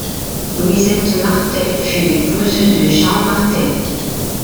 Louisette Martel fut l'épouse de Jan Martel.